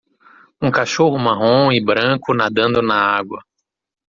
um cachorro marrom e branco nadando na água